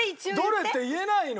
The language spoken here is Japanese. どれって言えないの。